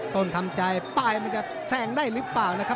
ต้นทำใจปลายมันจะแสงได้หรือเปล่า